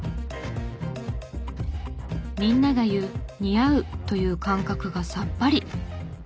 みんなが言う「似合う」という感覚がさっぱり。